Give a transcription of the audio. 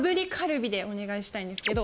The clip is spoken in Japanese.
お願いしたいんですけど。